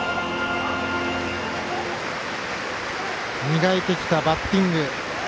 磨いてきたバッティング。